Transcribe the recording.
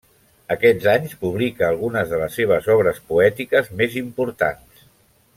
Aquests anys publica algunes de les seves obres poètiques més importants.